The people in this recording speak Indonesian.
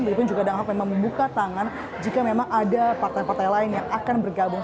walaupun juga dan ahok memang membuka tangan jika memang ada partai partai lain yang akan bergabung